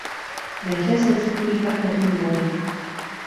Ve hře se vyskytují dva herní módy.